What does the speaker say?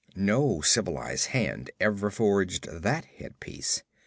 No civilized hand ever forged that head piece.